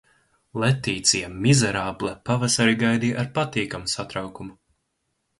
Letīcija Mizerable pavasari gaidīja ar patīkamu satraukumu.